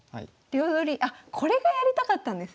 あっこれがやりたかったんですね。